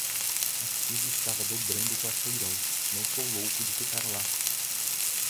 A fila estava dobrando o quarteirão. Não sou louco de ficar lá.